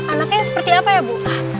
anaknya seperti apa ya bu